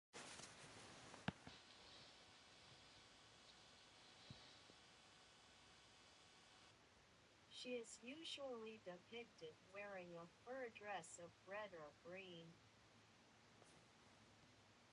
She is usually depicted wearing a fur dress of red or green.